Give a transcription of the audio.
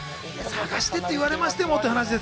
探してって言われましても。